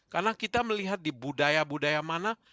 karena kita melihat di budaya budaya mana